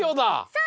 そう！